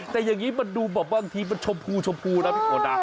แต่อย่างนี้มันดูแบบบางทีมันชมพูชมพูนะพี่ฝนนะ